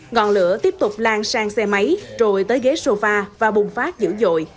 ngọn lửa tiếp tục lan sang xe máy rồi tới ghế sofa và bùng phát dữ dội